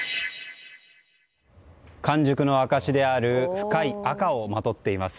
完熟の証しである深い赤をまとっています。